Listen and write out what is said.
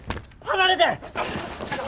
離れて！